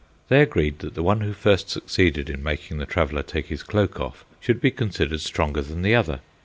They agreed that the one who first succeeded in making the traveler take his cloak off should be considered stronger than the other.